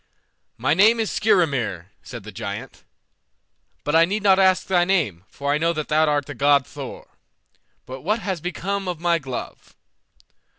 "My name is Skrymir," said the giant, "but I need not ask thy name, for I know that thou art the god Thor. But what has become of my glove?"